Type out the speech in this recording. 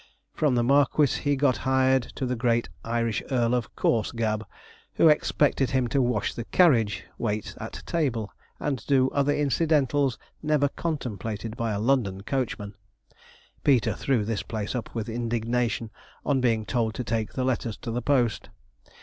From the marquis he got hired to the great Irish Earl of Coarsegab, who expected him to wash the carriage, wait at table, and do other incidentals never contemplated by a London coachman. Peter threw this place up with indignation on being told to take the letters to the post.